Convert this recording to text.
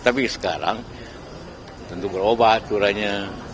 tapi sekarang tentu berubah aturannya